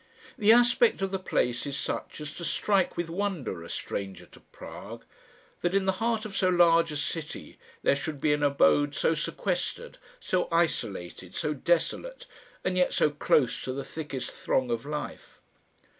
The aspect of the place is such as to strike with wonder a stranger to Prague that in the heart of so large a city there should be an abode so sequestered, so isolated, so desolate, and yet so close to the thickest throng of life.